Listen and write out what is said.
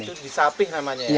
itu di sapi namanya ya